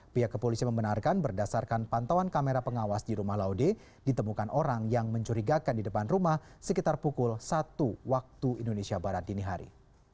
pihak kepolisian membenarkan berdasarkan pantauan kamera pengawas di rumah laude ditemukan orang yang mencurigakan di depan rumah sekitar pukul satu waktu indonesia barat dini hari